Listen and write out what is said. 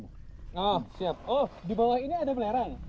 nah siap oh di bawah ini ada belerang